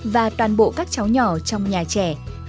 và toàn bộ các cháu nhỏ trong nhà trẻ